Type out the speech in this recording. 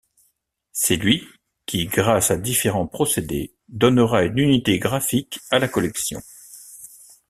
C’est lui, qui grâce à différents procédés, donnera une unité graphique à la collection.